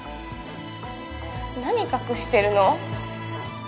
何隠してるの？